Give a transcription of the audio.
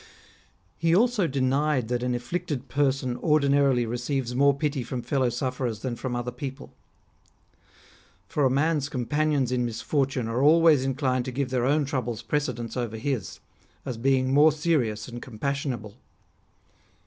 He also denied that an afflicted person ordinarily receives more pity from fellow sufferers than from other people. For a man's companions in misfortune are always inclined to give their own troubles precedence over his, as being more serious and compassionable.